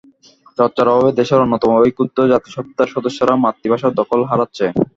চর্চার অভাবে দেশের অন্যতম এই ক্ষুদ্র জাতিসত্তার সদস্যরা মাতৃভাষায় দখল হারাচ্ছে।